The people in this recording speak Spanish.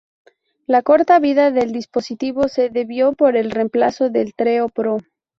La corta vida del dispositivo se debió por el remplazo del Treo Pro.